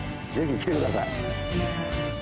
ぜひ来てください。